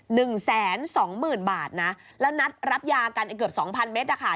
หนึ่งแสนสองหมื่นบาทนะแล้วนัดรับยากันไอเกือบสองพันเมตรนะคะ